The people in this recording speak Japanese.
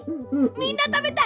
みんなたべたい？